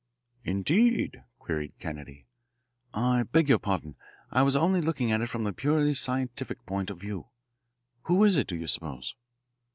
"Indeed?" queried Kennedy. "I beg your pardon I was only looking at it from the purely scientific point of view. Who is it, do you suppose?"